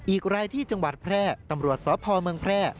อีกรายที่จังหวัดแพร่ตำรวจสพเมืองแพร่